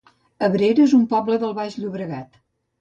Abrera es un poble del Baix Llobregat